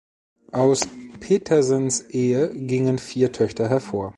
Aus Petersens Ehe gingen vier Töchter hervor.